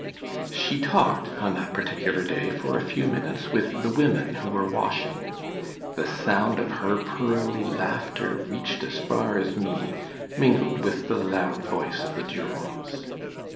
She talked on that particular day for a few minutes with the women who were washing. The sound of her pearly laughter reached as far as me, mingled with the loud voice of the Durance.